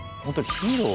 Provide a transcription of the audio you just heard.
ヒーロー。